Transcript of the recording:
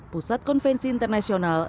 pusat konvensi internasional